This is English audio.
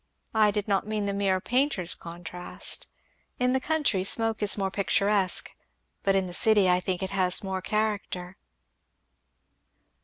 I did not mean the mere painter's contrast. In the country smoke is more picturesque, but in the city I think it has more character."